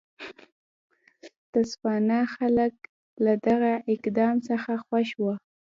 د تسوانا خلک له دغه اقدام څخه خوښ وو.